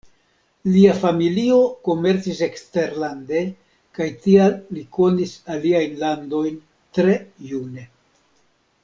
Lia familio komercis eksterlande, kaj tial li konis aliajn landojn tre june.